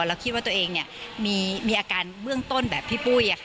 เราคิดว่าตัวเองมีอาการเบื้องต้นแบบพี่ปุ้ย